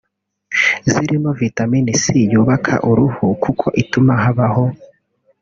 Zirimo vitamin C yubaka uruhu kuko ituma habaho